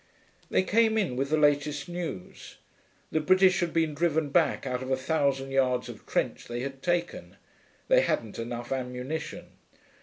They came in with the latest news. The British had been driven back out of a thousand yards of trench they had taken. They hadn't enough ammunition.